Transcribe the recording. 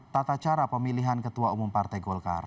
tata cara pemilihan ketua umum partai golkar